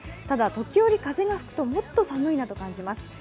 ただ、時折、風が吹くともっと寒いなと感じます。